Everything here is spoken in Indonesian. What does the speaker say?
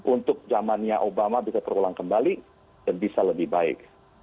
untuk zamannya obama bisa terulang kembali dan bisa lebih baik